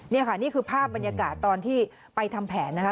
นี่ค่ะนี่คือภาพบรรยากาศตอนที่ไปทำแผนนะคะ